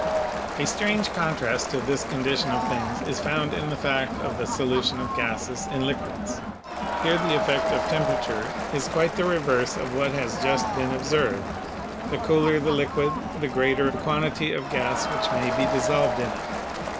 A strange contrast to this condition of things is found in the fact of the solution of gases in liquids. Here the effect of temperature is quite the reverse of what has just been observed. The cooler the liquid, the greater the quan tity of gas which may be dissolved in it.